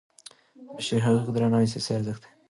د بشري حقونو درناوی سیاسي ارزښت دی